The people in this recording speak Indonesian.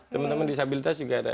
teman teman disabilitas juga ada